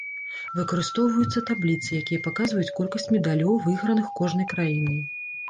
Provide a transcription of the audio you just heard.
Выкарыстоўваюцца табліцы, якія паказваюць колькасць медалёў, выйграных кожнай краінай.